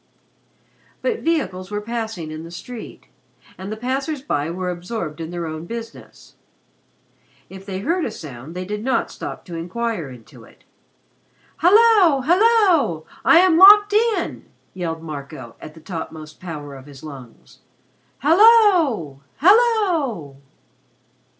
But vehicles were passing in the street, and the passers by were absorbed in their own business. If they heard a sound, they did not stop to inquire into it. "Hallo! Hallo! I am locked in!" yelled Marco, at the topmost power of his lungs. "Hallo! Hallo!"